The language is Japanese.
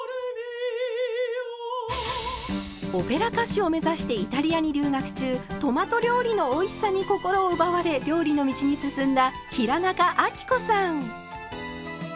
オペラ歌手を目指してイタリアに留学中トマト料理のおいしさに心を奪われ料理の道に進んだ平仲亜貴子さん。